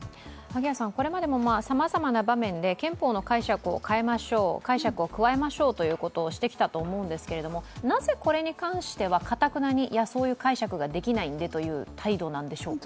これまでもさまざまな場面で憲法の解釈を変えましょぅ、解釈を加えましょうということをしてきたと思うんですけれどもなぜ、これに関してはかたくなにそういう解釈ができないんでという態度なんでしょうか。